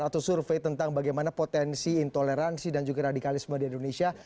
atau survei tentang bagaimana potensi intoleransi dan juga radikalisme di indonesia